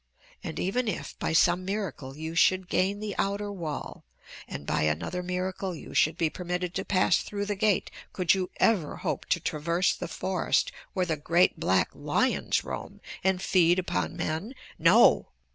And even if, by some miracle, you should gain the outer wall, and, by another miracle, you should be permitted to pass through the gate, could you ever hope to traverse the forest where the great black lions roam and feed upon men? No!"